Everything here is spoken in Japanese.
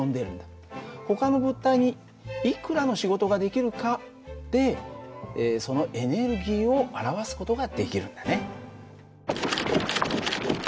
ほかの物体にいくらの仕事ができるかでそのエネルギーを表す事ができるんだね。